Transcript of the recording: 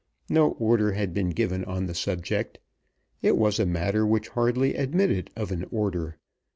No order had been given on the subject. It was a matter which hardly admitted of an order.